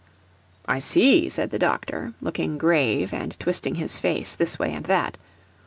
"I see," said the doctor, looking grave and twisting his face this way and that.